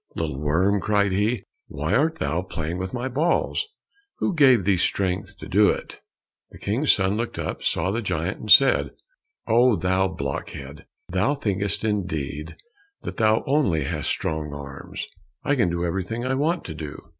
"Little worm," cried he, "why art thou playing with my balls? Who gave thee strength to do it?" The King's son looked up, saw the giant, and said, "Oh, thou blockhead, thou thinkest indeed that thou only hast strong arms, I can do everything I want to do."